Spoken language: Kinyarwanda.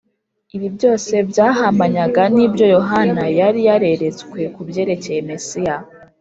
. Ibi byose byahamanyaga n’ibyo Yohana yari yareretswe ku byerekeye Mesiya